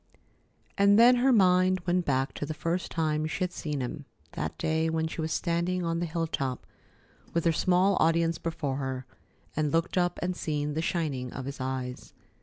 And then her mind went back to the first time she had seen him, that day when she was standing on the hilltop with, her small audience before her, and had looked up and seen the shining of his eyes.